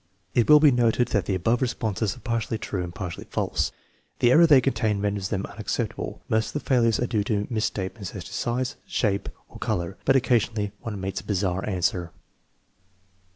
It will be noted that the above responses are partly true and partly false. The error they contain renders them unacceptable. Most of the failures are due to misstatements as to size, shape, or color, but occasionally one meets a bizarre answer.